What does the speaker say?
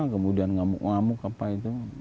kemudian ngamuk ngamuk apa itu